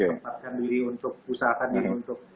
tempatkan diri untuk usahakan dan untuk